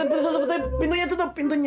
eh tutup tutup tuntuk pintunya tutup pintunya